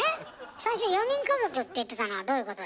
最初４人家族って言ってたのはどういうことだったの？